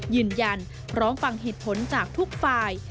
ยืนยันพร้อมฟังเหตุผลจากทุกฝ่าย